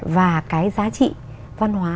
và cái giá trị văn hóa